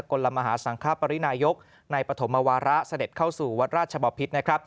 กดลมมหาสังคราบสรินายกในปฐมวาระเสด็จเข้าสู่วัดราชบอพิษศาสตร์